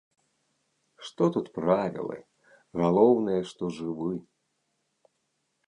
Што тут правілы, галоўнае, што жывы.